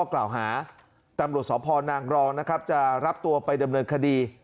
กล่าวหาตำรวจสพนางรองนะครับจะรับตัวไปดำเนินคดี